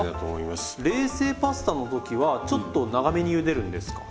冷製パスタの時はちょっと長めにゆでるんですか？